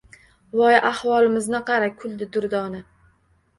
Voy, ahvolimizni qara, kuldi Durdona